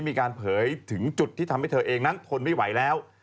เผยถึงจุดที่ทำให้เธอเองนั้นทนไม่ไหวแล้ว